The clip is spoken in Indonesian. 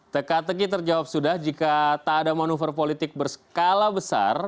teka teki terjawab sudah jika tak ada manuver politik berskala besar